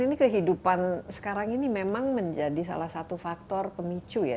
ini kehidupan sekarang ini memang menjadi salah satu faktor pemicu ya